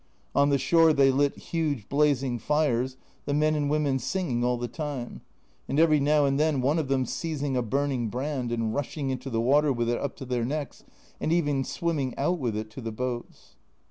On the shore they lit huge blazing fires, the men and women sing ing all the time, and every now and then one of them seizing a burning brand and rushing into the water with it up to their necks, and even swimming out with it to the boats.